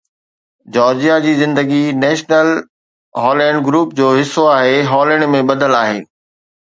Georgia جي زندگي national Holland group جو حصو آهي هالينڊ ۾ ٻڌل آهي